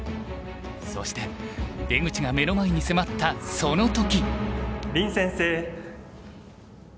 そして出口が目の前に迫ったその時。